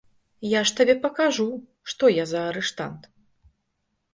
Я ж табе пакажу, што я за арыштант!